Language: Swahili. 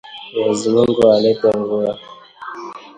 Mwenyezi Mungu alete vua,